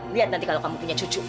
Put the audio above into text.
lihat nanti kalau kamu punya cucu